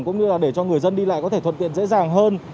cũng như là để cho người dân đi lại có thể thuận tiện dễ dàng hơn